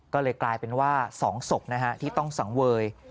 ก็เลยกลายสองศพนะฮะที่ต้องสางเวย